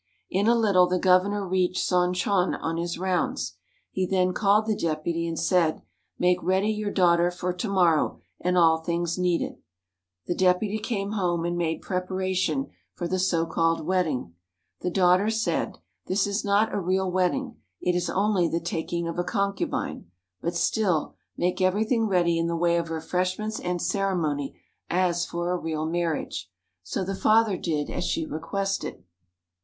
In a little the Governor reached Son chon on his rounds. He then called the Deputy, and said, "Make ready your daughter for to morrow and all the things needed." The Deputy came home and made preparation for the so called wedding. The daughter said, "This is not a real wedding; it is only the taking of a concubine, but still, make everything ready in the way of refreshments and ceremony as for a real marriage." So the father did as she requested.